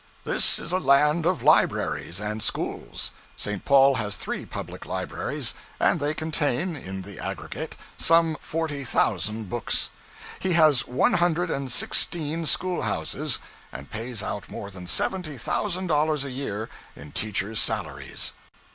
This is a land of libraries and schools. St. Paul has three public libraries, and they contain, in the aggregate, some forty thousand books. He has one hundred and sixteen school houses, and pays out more than seventy thousand dollars a year in teachers' salaries.